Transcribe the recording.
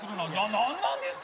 何なんですか？